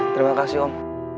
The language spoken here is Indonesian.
terima kasih om